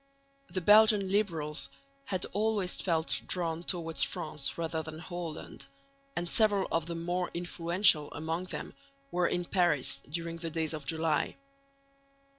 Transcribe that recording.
The Belgian liberals had always felt drawn towards France rather than Holland, and several of the more influential among them were in Paris during the days of July.